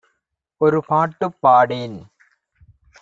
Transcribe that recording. ஒரு பாட்டு பாடேன்